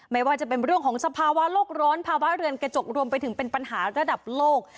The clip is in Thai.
ไม่ว่าจะเป็นเรื่องของสภาวะโลกร้อนภาวะเรือนกระจกรวมไปถึงเป็นปัญหาระดับโลก